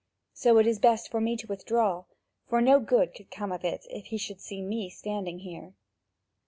So it is best for me to withdraw, for no good could come of it, if he should see me standing here."